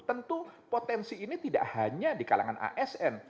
tentu potensi ini tidak hanya di kalangan asn